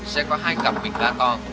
sẽ có hai cặp bình ga to